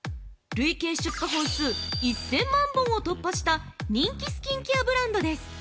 累計出荷本数１０００万本を突破した人気スキンケアブランドです。